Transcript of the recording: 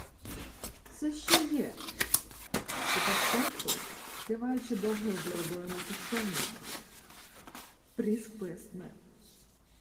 — Се що є? — спитав консул, киваючи довгою бородою на коштовності. Пріск пояснив.